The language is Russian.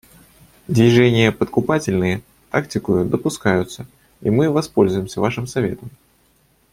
Движения подкупательные тактикою допускаются, и мы воспользуемся вашим советом.